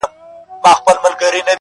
خر او خنکيانه.